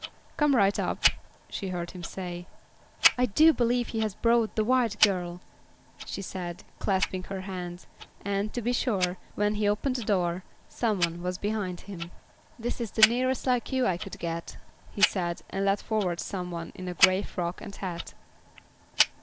"Come right up," she heard him say. "I do believe he has brought the white girl," she said, clasping her hands; and, to be sure, when he opened the door, some one was behind him. "This is the nearest like you I could get," he said, and led forward some one in a grey frock and hat.